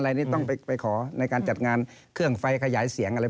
และที่นี่รักษาความบัตรภัยอปลล